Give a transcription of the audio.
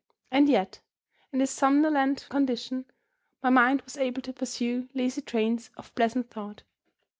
And yet, in this somnolent condition, my mind was able to pursue lazy trains of pleasant thought.